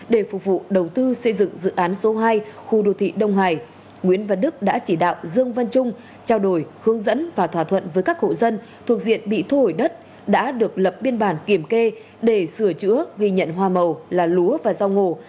để phục vụ đầu tư xây dựng dự án số hai khu đô thị đông hải nguyễn văn đức đã chỉ đạo dương văn trung trao đổi hướng dẫn và thỏa thuận với các hộ dân thuộc diện bị thu hồi đất đã được lập biên bản kiểm kê để sửa chữa ghi nhận hoa màu là lúa và rau ngô